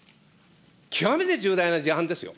極めて重大な事案ですよ。